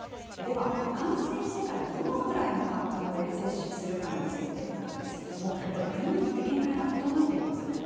では、感染してからどのくらいの間隔で接種するかについてなんですけれども、これ、国によって見解が異なっています。